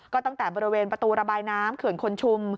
ก็ตั้งแต่บริเวณประตูระบายน้ำเขื่อนคนชุม